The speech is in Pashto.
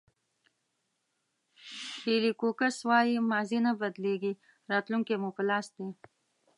بېلي کوکس وایي ماضي نه بدلېږي راتلونکی مو په لاس دی.